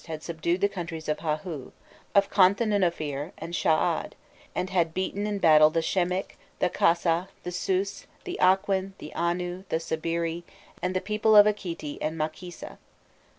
had subdued the countries of Hahû, of Khonthanunofir, and Shaad, and had beaten in battle the Shemîk, the Khasa, the Sus, the Aqîn, the Anu, the Sabiri, and the people of Akîti and Makisa.